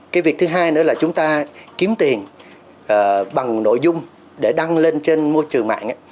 cái việc thứ hai nữa là chúng ta kiếm tiền bằng nội dung để đăng lên trên môi trường mạng